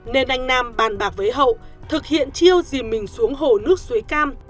nên anh nam bàn bạc với hậu thực hiện chiêu dìm mình xuống hồ nước suối cam